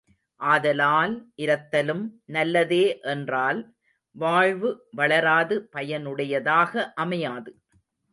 ஆதலால், இரத்தலும் நல்லதே என்றால் வாழ்வு வளராது பயனுடையதாக அமையாது.